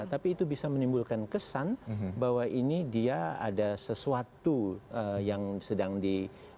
tapi itu bisa menimbulkan kesan bahwa ini dia ada sesuatu yang sedang di